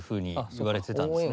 言われてたんですね。